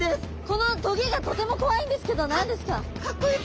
このトゲがとてもこわいんですけど何ですか？